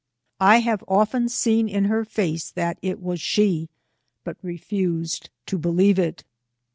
I have often seen in her face that it was she, but refused to believe it.